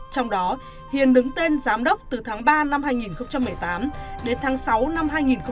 trong đó hiền đứng tên giám đốc từ tháng ba năm hai nghìn một mươi tám đến tháng sáu năm hai nghìn một mươi bảy